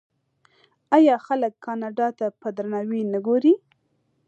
آیا خلک کاناډا ته په درناوي نه ګوري؟